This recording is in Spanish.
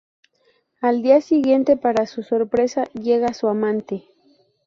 Al día siguiente, para su sorpresa, llega su "amante".